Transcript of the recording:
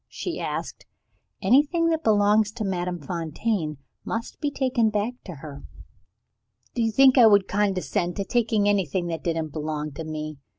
she asked. "Anything that belongs to Madame Fontaine must be taken back to her." "Do you think I would condescend to take anything that didn't belong to me?"